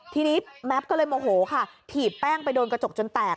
ทีนี้แม็ปก็เลยโมโหค่ะถีบแป้งไปโดนกระจกจนแตก